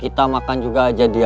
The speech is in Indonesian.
kita makan juga aja dia